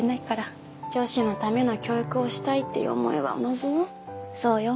女子のための教育をしたいっていう思いは同じよ。